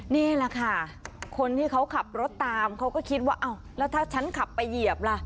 นี่แหละค่ะคนที่เขาขับรถตามเขาก็คิดว่าอ้าวแล้วถ้าฉันขับไปเหยียบล่ะ